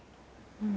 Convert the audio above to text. うん。